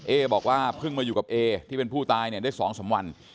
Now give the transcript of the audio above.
บอกว่าเพิ่งมาอยู่กับเอที่เป็นผู้ตายเนี่ยได้๒๓วัน